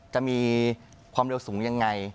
จะมีความเร็วสูงยังไง